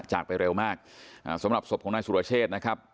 จากไปเร็วมากสำหรับศพของนายสุรเชษนะครับ